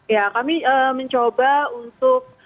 ya kami mencoba untuk